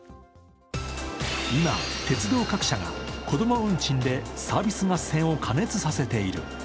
今、鉄道各社が子供運賃でサービス合戦を過熱させている。